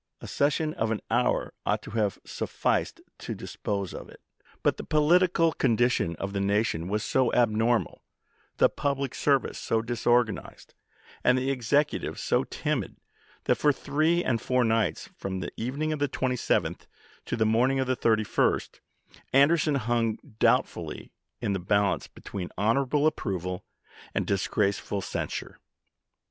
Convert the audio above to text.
A session of an hour ought to have sufficed to dispose of it, but the political condition of the nation was so abnormal, the public service so disorganized, and the Executive so timid, c. f. Black, that for three days and four nights, from the evening "Eandys ' of the 27th to the morning of the 31st, Anderson ofjPeert^nie|h hung doubtfully in the balance between honorable pp. ii, 12. approval and disgraceful censure.